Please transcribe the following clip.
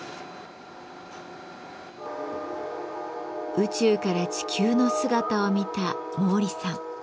宇宙から地球の姿を見た毛利さん。